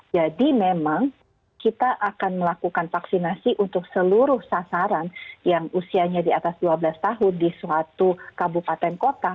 jadi memang kita akan melakukan vaksinasi untuk seluruh sasaran yang usianya di atas dua belas tahun di suatu kabupaten kota